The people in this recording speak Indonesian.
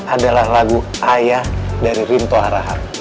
adalah lagu ayah dari rinto arahan